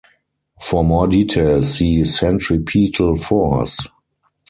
For more detail, see centripetal force.